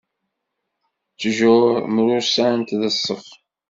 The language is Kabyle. Ttjur mrussant d ṣṣeff.